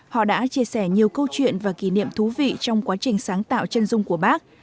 họ đã chia sẻ nhiều câu chuyện và kỷ niệm thú vị trong quá trình sáng tạo chân dung của bác